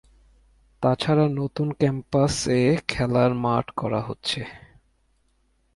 তাছাড়া নতুন ক্যাম্পাস এ খেলার মাঠ করা হচ্ছে।